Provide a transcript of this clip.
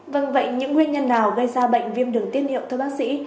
vâng vậy những nguyên nhân nào gây ra bệnh viêm đường tiết niệu thưa bác sĩ